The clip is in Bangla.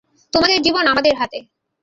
তোমাদের জীবন আমাদের হাতে।